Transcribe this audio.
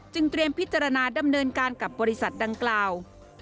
เตรียมพิจารณาดำเนินการกับบริษัทดังกล่าว